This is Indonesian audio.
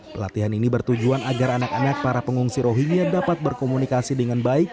pelatihan ini bertujuan agar anak anak para pengungsi rohingya dapat berkomunikasi dengan baik